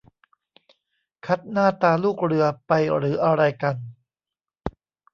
คัดหน้าตาลูกเรือไปหรืออะไรกัน